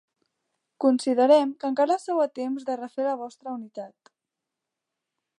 Considerem que encara sou a temps de refer la vostra unitat.